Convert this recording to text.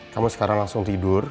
kamu sekarang langsung tidur